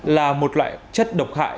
là một loại chất độc hại